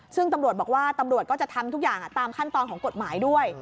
ซึ่งตำรวจบอกว่าตำรวจก็จะทำทุกอย่างตามขั้นตอนของกฎหมายด้วย